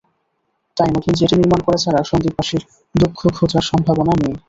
তাই নতুন জেটি নির্মাণ করা ছাড়া সন্দ্বীপবাসীর দুঃখ ঘোচার সম্ভাবনা নেই।